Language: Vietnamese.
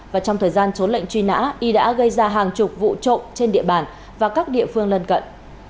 và trong thời gian trốn lệnh truy nã y đã gây ra hàng chục vụ trộm trên địa bàn và các địa phương lân cận